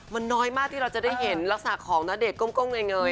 มันน้อยมากที่เราจะได้เห็นลักษณะของณเดชนก้มเงย